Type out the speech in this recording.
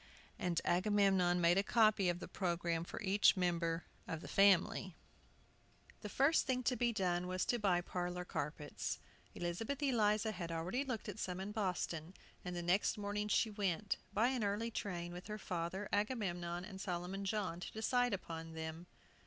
And Agamemnon made a copy of the programme for each member of the family. THE PETERKINS ARE MOVED. Page 126. The first thing to be done was to buy the parlor carpets. Elizabeth Eliza had already looked at some in Boston, and the next morning she went, by an early train, with her father, Agamemnon, and Solomon John, to decide upon them.